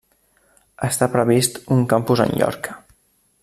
Està previst un campus en Llorca.